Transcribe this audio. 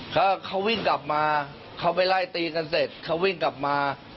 เขาวิ่งกลับมาเขาไปไล่ตีกันเสร็จเขาวิ่งกลับมา